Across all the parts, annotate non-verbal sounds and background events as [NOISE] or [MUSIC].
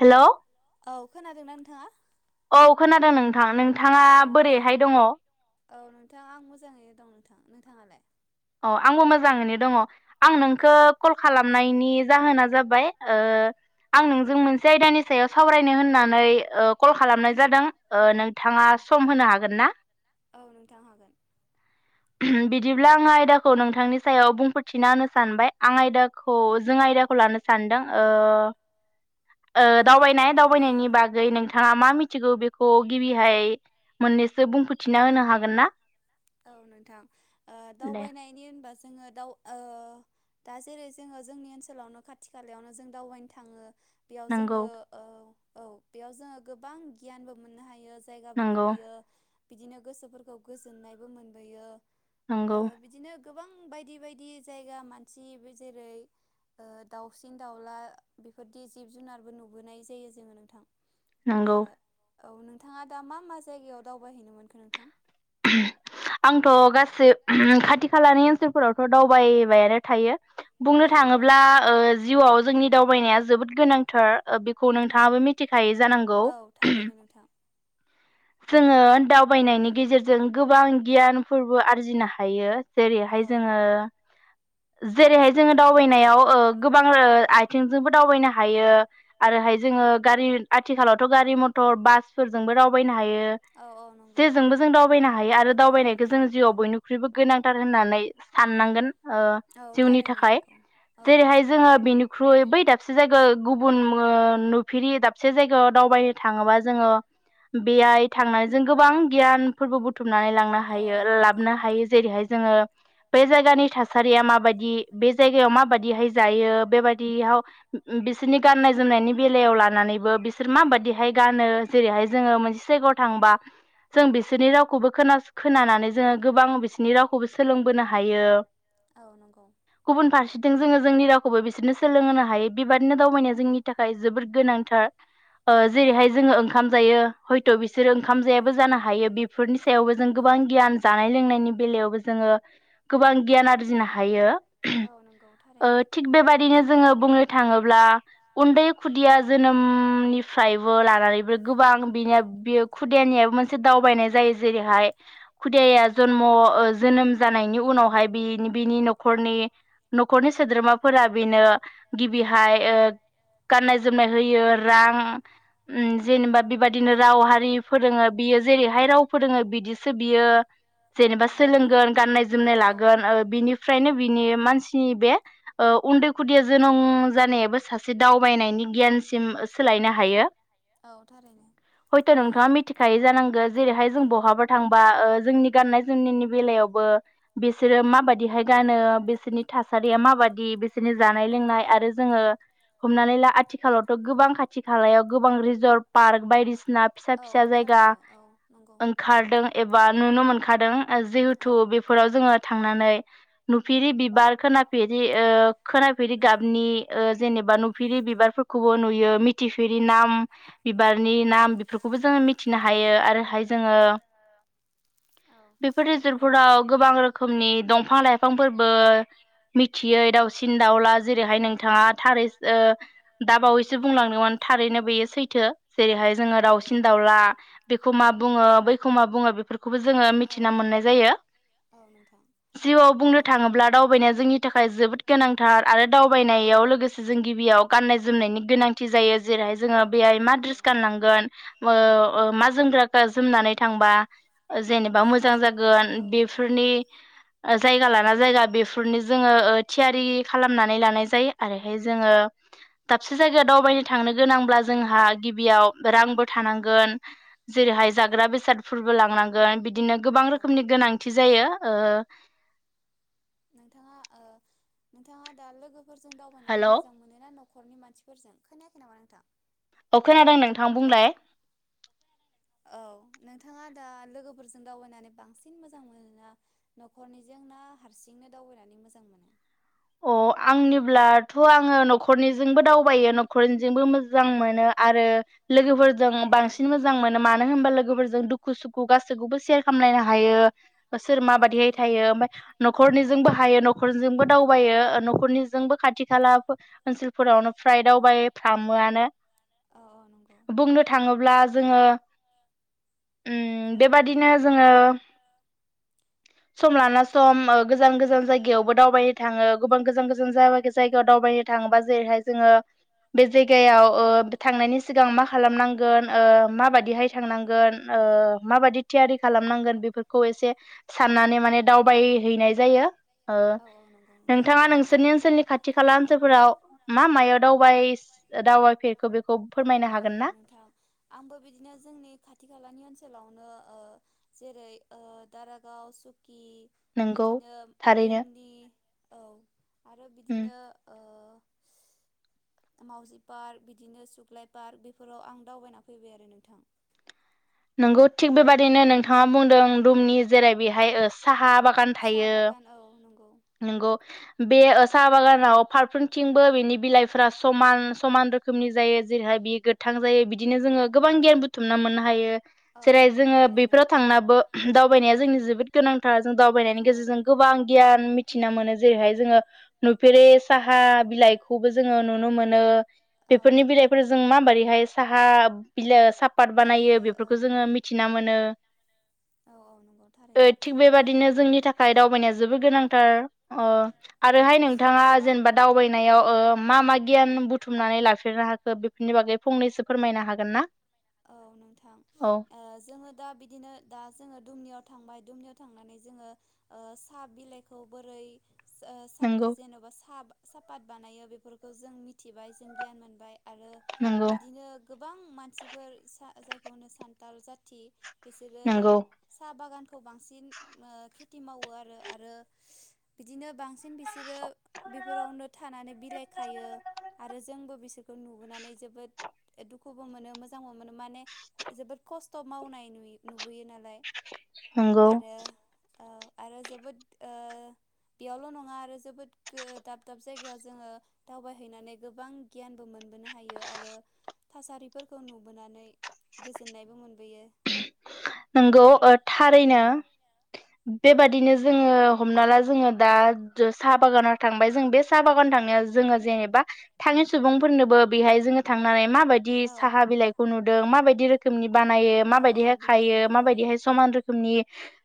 Hello. औ खोनादोंना नोंथाङा? आ नोंथाङा बोरैहाय दङ? औ नोंथाङा आं मोजाङैनो दं नोंथां नोंथाङालाय? औ आंबो मोजाङैनो दङ आं नोंखो कल खालामनायनि जाहोना जाबाय ओ आं नोंजों मोनसे आयदानि सायाव सावरायनो होननानै ओ कल खालामनाय जादों। ओ नोंथाङा सम होनो हागोनना? [UNINTELLIGIBLE] बिदिब्ला आं माइ आयदाखौ नोंथांनि सायाव बुंफोरथिना होनो सानबाय आं आयदाखौ जों आयदाखौ लानो सानदों। ओ ओ दावबायनाय दावबायनायनि बागै नोंथां थाङा मा मिथिगौ बेखौ गिबिहाय मोननैसो बुंफोरथिना होनो हागोनना? औ नोंथां ओ दावबायनायनि ओ जोङो दाउ ओ दा जेरै जोङो जोंनि ओनसोलावनो खाथि खालायावनो जों दावबायनो थाङो। बेयाव जोङो ओ औ बेयाव जोङो गोबां गियानबो मोननो हायो। जायगाबो नुबोयो। बिदिनो गोसोफोरखौ गोजोननाय बो मोनबोयो। नंगौ। गोबां बायदि बायदि जायगा मानसि जेरै ओ दाउसिन दाउला ओ बेफोरदि जिब जुनारबो नुबोनाय जायो जोङो नोंथां। नोंगौ। औ नोंथाङा दा मा मा जायगायाव दावबायहैनो मोनखो नोंथां? आंथ' गासै ओम खाथि खालानि ओनसोलफोरावथ' दावबायबायानो थायो। बुंनो थाङोब्ला ओ जिउआव जोंनि दावबायनाया जोबोद गोनांथार। बेखौ नोंथाङाबो मिथिखायै जानांगौ। जोङो दावबायनायनि गेजेरजों जों गोबां गियानफोरबो आरजिनो हायो। जेरैहाय जोङो जेरैहाय जोङो दावबायनायाव ओ। गोबां ओ आथिंजोंबो दावबायनो हायो आरोहाय जोङो गारि आथिखालावथ' गारि मटर बासफोरजोंबो दावबायनो हायो। जेजोंबो जों दाउ हायो आरो दावबायनायखौ जों जिउआव बयनिख्रुइबो गोनांथार होननानै साननांगोन। ओ जिउनि थाखाय जेरैहाय जोङो बेनिख्रुइ बै दाब दाबसे जायगायाव गुबुन मोन नुफेरि दाबसे जायगायाव दावबायनो थाङोबा जोङो बेहाय थांनानै जों गोबां गियान। फोरबो। बुथुमनानै लांनो हायो लाबोनो हायो जेरैहाय जोङो बे जायगानि थासारिया माबायदि बे जायगायाव माबादिहाय जायो बेबादियाव बिसोरनि गाननाय जोमनायनि बेलायाव लानानैबो बिसोर माबादिहाय गानो जेरैहाय जोङो मोनसे जायगायाव थांबा जों बिसोर बिसोरनि रावखौबो खोनासं खोनानानै जोङो गोबां बिसोरनि रावखौबो सोलोंबोनो हायो गुबुन फारसे फारसेथिं जोङो जोंनि रावखौबो बिसोरनो सोलोंहोनो हायो बेबादिनो दावबायनाया जोंनि थाखाय जोबोद गोनांथार। जेरैहाय जोङो ओंखाम जायो हयथ बिसोरो ओंखाम जाया। जानो हागौ। हायो बेफोरनि सायावबो जों। गोबां गियान जानाय लोंनायनि बेलायावबो जोङो गोबां गियान आरजिनो हायो ओ थिग बेबायदिनो जोङो बुंनो थाङोब्ला उन्दै खुदिया जोनोमनिफ्रायबो लानानैबो गोबां बिनि बे खुदियानियाबो मोनसे। दावबायनाय जायो जेरैहाय। खुदियाया जन्म ओ जोनोम जानायनि उनावहाय बि बिनि नखरनि नखरनि सोद्रोमाफोरा बेनो गिबियावहाय ओ गाननाय जोमनाय होयो रां जेनेबा बेबादिनो राव हारि फोरोङो। जेरैहाय राव फोरोङो बिदि। बियो जेनेबा सोलोंगोन गाननाय जोमनाय लागोन ओ बिनिफ्रायनो बिनि मानसि। बिनि बे उन्दै खुदिया जोनोम। जानायाबो सासे दावबायनायनि गियानसिम सोलायनो हायो हयथ नोंथाङा मिथिखागौ। जानांगौ जेरैहाय जों बहाबा थांबा जोंनि गाननाय जोमनायनि बेलायावबो बिसोरो माबाददिहाय गानो बिसोरनि थासारिया माबादि बिसोरनि जानाय लोंनाय आरो। जोङो हमनानै ला आथिखालावथ गो-गोबां खाथि खालायाव गोबां रिजर्ट पार्क बायदिसिना फिसा फिसा। जायगा ओंखारदों एबा नुनो मोनखादों जिहेथु बेफोराव जोङो थांनानै। नुफेरि बिबार खोनाफेरि ओ खोनाफेरि गाबनि ओ जेनेबा। फेरै बिबारफोरखौबो नुयो मिथिफेरै नाम बिबारनि नाम बेफोरखौबो। मिथिनो हायो आरोहाय जोङो बेफोर रिजर्टफोराव गोबां रोखोमनि दंफां लाइफांफोरबो मिथियै दाउसिन दाउला जेरैहाय नोंथाङा थारै दा बावैसो बुंलांदों मानो थारैनो बेयो सैथो जेरैहाय जोङो राव दावसिन दाउला बेखौ मा बुङो बैखौ मा बुङो बेफोर खौबो जोङो मिथिना मोननाय जायो जिउआव बुंनो थाङोब्ला दावबायनाया जोंनि नि थाखाय जोबोद गोनांथार आरो दावबायनायाव लोगोसे जों गिबियाव गाननाय जोमनायनि गोनांथि जायो। जेरैहाय जोङो बेहाय मा ड्रेस गानलांगोन ओ मा जोमग्रा जोमनानै थांबा जेनेबा मोजां जागोन बेफोरनि जायगा लाना जायगा बेफोरनि जोङो थियारि खालामनानै लानाय जायो आरोहाय जोङो दाबसे जायगायाव दावबायनो थांनो गोनांब्ला जोंहा गिबियाव रांबो थानांगोन। जेरैहाय जाग्रा बेसादफोरबो लांनांगोन बिदिनो गोबां रोखोमनि गोनांथि जायो। ओ। नोंथाङा ओ नोंथाङा दा लोगो फोर जों दावबायनानै मोजां मोनोना नख नखरनि मानसिफोरजों खोनायाखै नामा नोंथां। औ खोनादों नोंथां बुंलाय। औ नोंथाङा दा लोगोफोरजों दावबायनानै बांसिन मोजां मोनोना नखरनिजों ना हारसिंनो दावबायनानै मोजां मोनो। अ आंनिब्लाथ आङो नखरनिजोंबो दावबायो नखरनिजोंबो मोजां मोनो आरो लोगोफोर जों बांसिन मोजां मोनो मा नो होनबा लोगोफोरजों दुखु सुखु गासैखौबो सेयार खालामलायनो हायो सोर मााबायदिहै थायो ओमफ्राय नखरनिजोंबो हायो नखरनिजोंबो दावबायो नखरनिजोंबो खाथि खाला फो ओनसोलफोरावनो फ्राय दावबाय फ्रामोआनो। बुंनो थाङोब्ला जोङो उम बेबादिनो जोङो सम लाना सम ओ गोजान गोजान जायगायावबो दावबाय थाङो गोबां गोजान गोजान जाय जायगायाव दावबायनो थाङोबा जेरैहाय जोङो बे जायगायाव ओ थांनायनि सिगां मा खालामनांगोन ओ माबादिहाय थांनांगोन ओ माबादि थियारि खालामनांगोन बेफोरखौ एसे साननानै माने दावबायहैनाय जायो ओ। नोंथाङा नोंसोरनि ओनसोलनि खाथि खाला ओनसोलफोराव मा मायाव दाव औ नोंथां आंबो बिदिनो जोंनि खाथि खालानि ओनसोलाव नो ओ जेरै ओ दारागाव स कि बिदिनो दुमनि औ आरो बिदिनो ओ मावजि पार्क बिदिनो सुख्लाय पार्क बेफोराव आं दावबायना फैबाय आरो नोंथां नोंगौ थिग बेबाय दैनो नोंथाङा बुंदों दुमनि जेरै बेहाय ओ साहा बागान थायो नंगौ बे ओ साहा बागानाव फारफ्रोमथिंबो बिनि बिलाइफोरा समान समान रोखोमनि जायो जेरैहाय बियो गोथां जायो बिदिनो जोङो गोबां गियान बुथुमना मोननो हायो। जेरै जोङो बेफोराव थांनाबो दावबायनाया जोंनि जोबोद गोनांथार दावबायनायनि गेजेरजों गोबां गियान मि थिना मोनो जेरैहाय जोङो नुफेरै साहा बिलाइखौबो जोङो नुनो मोनो। बेफोरनि बिलाइफोरजों माबोरैहाय साहा बिलो साफाथ बानायो बे फोरखौ जोङो मिथिना मोनो ओ थिग बेबादिनो जोंनि थाखाय दावबायनाया जोबोर गोनांथार अ आरोहाय नोंथाङा जेनेबा दावबायनायाव ओ मा मा गियान बुथुमनानै लाफेरनो हाखो बेफोरनि बागै फंनैसो फोरमायनो हागोन ना औ नों थां ओ जोङो दा बिदिनो दा जोङो दुमनियाव थांबाय दुमनियाव थांनानै जोङो ओ साहा बिलाइखौ बोरै ओ साफ जेनबा साब साफाथ बानायो बेफोरखौ जों मिथिबाय जों गियान मोनबाय आरो बिदिनो गोबां मानसि फोर सा जायखौनो सानथाल जाथि बिसोरो साहा बागानखौ बांसिन ओ थि मावो आरो आरो बिदिनो बांसिन बिसोरो बेफोरावनो थानानै बिलाइ खायो आरो जोंबो बिसोरखौ नुबोनानै जोबोद दुखुबो मोनो मो जांबो मोनो माने जोबोद खस्थ' मावनाय नुयो नुबोयो नालाय आरो ओ आरो जोबोद ओ बेयावल' नङा आरो जोबोद गो दाब दाब जायगायाव जोङो दावबायहैनानै गोबां गियानबो मोनबोनो हायो आरो थासारिफोर खौ नुबोनानै गोजोन्नायबो मोनबोयो। नंगौ ओ थारैनो बेबा दिनो जोङो हमना ला जोङो दा ओ साहा बागानाव थांबाय जों बे साहा बागान थांनायाव जोङो जेनेबा थाङि सुबुंफोरनोबो बेहाय जोङो थांनानै माबायदि साहा बिलाइखौ नु दों माबायदि रोखोमनि बानायो माबायदिहाय थायो माबायदिहाय समान रोखोमनि नि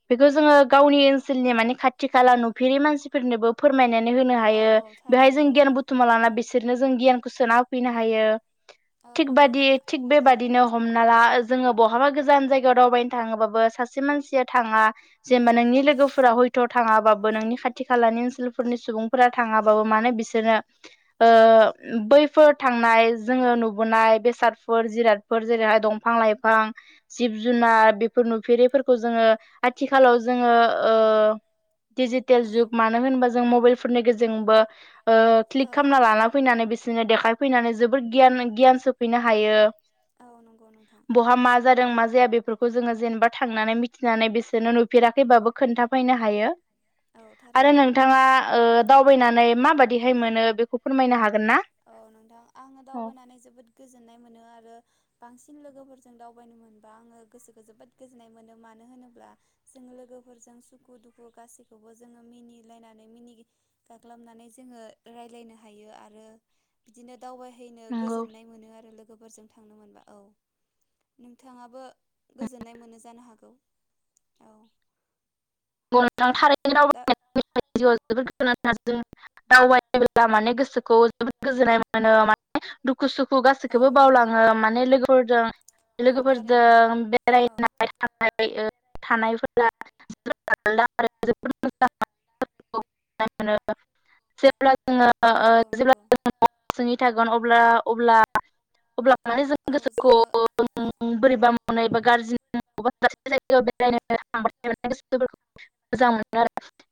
बेखौ जोङो गावनि ओनसोलनि माने खाथि खाला नुफेरै मानसिफोरनोबो फोर फोरमायनानै होनो हायो बेहाय जों गियान बुथुमा लाना बेसो सोरनो जों गियानखौ सोना होफैनो हायो। थिग बादि थिग बेबादिनो हमना ला जोङो बहाबा गोजान जायग जायगा दावबायनो थाङोबाबो सासे मानसिया थाङा जेनेबा नोंनि लोगोफोरा हयथ' थाङाबाबो नोंनि खाथि खालानि ओनसोलफोरनि सुबुंफोरा थाङाबाबो मानो बिसोरनो ओ बैफोर थांनाय जोङो नुबोनाय बेसादफोर जिरादफोर जेरैहाय दंफां लाइफां जिब जुनार बेफोर नुफेरैफोरखौ जोङो आथिखालाव जोङो ओ डिजिटेल जुग मानो होनोबा जों मबाइलफोरनि गेजेरजोंबो ओ क्लिक खालामना लाना फैनानै बिसोरनो देखायफैनानै जोब गियान गियानस सोफैनो हायो बहा मा जादों माज खो जोङो जेनेबा थांनानै मिथिनानै बिसोरनो नुफेराखैबाबो खोन्थाफैनो हायो। आरो नोंथाङा ओ दावबायनानै माबायदि बिहाय मोनो बेखौ फोरमायनो हाग औ नोंथां आङो दावबायनानै जोबोद गोजोननाय मोनो। आरो बांसिन लोगोफोरजों दावबायनो मोनबा आङो गोसोखौ जोबोद गोजोननाय मोनो मानो होनोब्ला जों लोगोफोरजों सुखु दुखु गासैखौबो जोङो मिनिलायनानै मिनि गाग्लाबनानै जोङो रायलायनो हायो। आरो बिदिनो दावबायहैनो गोजोननाय मोनो। आरो लोग लोगोफोरजों थांनो मोनबा औ नोंथाङाबो गोजोन्नाय मोनो जानो हाग औ [UNINTELLIGIBLE] जबोद [UNINTELLIGIBLE] जों दावबायब्ला माने गोसोखौ जोबोद गोजोननाय मोनो माने दखु खु-सुखु गासिखौबो बावलाङो माने लोगो फोरदों लोगोफोरजों बेरायनाय थांनाय थानायफोरा [UNINTELLIGIBLE] जोङो ओ जेब्ला [UNINTELLIGIBLE] [UNINTELLIGIBLE] अब्ला अब्ला-अब्ला माने जों गोसोखौ बोरैबा मावनाय एबा गाज्रि मावबा सासे जायगायाव बेरायनो थांबाय [UNINTELLIGIBLE] मोजां मोनो आरो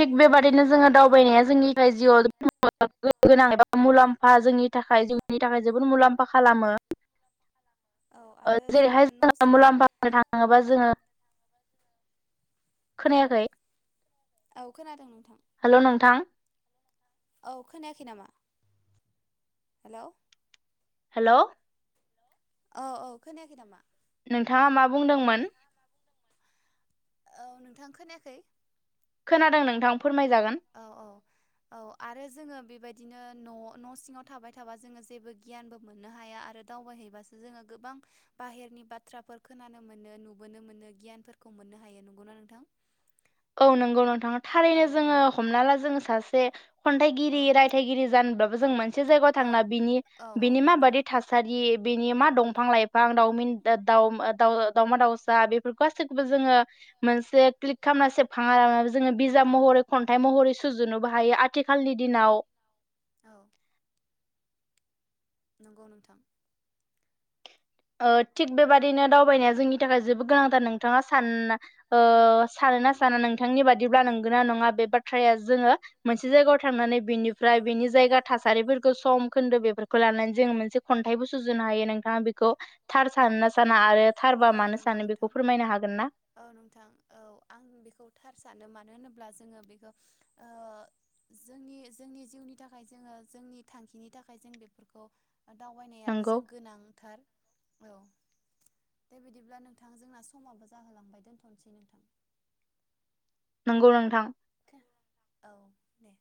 थिग बेबादिनो जोङो दावबायनाया जोंनि जिउ [UNINTELLIGIBLE] गोनां एबा मुलाम्फा जोंनि थाखाय जिउनि थाखाय जोबोद मुलाम्फा खालामो। जेरैहाय जोङो मुलाम्फा होननो थाङोबा जोङो खोनायाखै? औ खोनादों नोंथां। हेलौ नोंथां औ खोनायाखै नामा? हेलौ हेलौ औ औ खोनायाखै नामा? नोंथाङा मा बुंदोंमोन? औ नोंथां खोनायाखै? खोनादों नोंथां औ औ औ आरो जोङो बेबायद बिदिनो न' न' सिङाव थाबाय थाबा जोङो जेबो गियानबो मोननो हाया आरो दावबायहैबासो जोङो गोबां बाहेरनि बाथ्राफोर खोनानो मोनो नुबोनो मोनो गियानफोरखौ मोननो हायो नंगौना नोंथां? औ नंगौ नोंथाङा थारैनो जोङो हमना ला जोङो सास से खन्थाइगिरि रायथायाइगिरि जानोब्लाबो जों मोनसे जायगायाव थांना बिनि बिनि माबादि थासारि बेनि मा दंफां लाइफां दावमिन दाव-दाव-दावमा दावसा बेफोर गासैखौबो जोङो मोनसे क्लिक खालामना से [UNINTELLIGIBLE] जोङो बिजाब महरै खन्थाइ महरै सुजुनोबो हायो आथिखालनि दिनाव औ नंगौ नोंथां ओ थिग बेबादिनो दावबायनाया जोंनि थाखाय जोबोद गोनांथार नोंथाङा सान ओ सानोना साना नोंथांनि बादिब्ला नंगोनना नङा बे बाथ्राया जोङो मोनसे जायगायाव थांनानै बेनिफ्राय बेनि जायगा थासारिफोरखौ सम खोन्दो बेफोरखौ लानानै जों मोनसे खन्थाइबो सुजुनो हायो नोंथाङा बे खौ थार सान ना साना आरो औ नंगौ नोंथां औ नोंथां औ आं बेखौ थार सानो मानो होनोब्ला जोङो बेखौ ओ जोंनि जोंनि जिउनि थाखाय जोङो जोंनि थांखिनि थाखाय जों बेफोरखौ दावबायनायाबो जों गोनांथार। दे बिदिब्ला नोंथां जोंना समाबो जाहोलांबाय दोनथ'नोसै नोंथां। नंगौ नोंथां औ दे।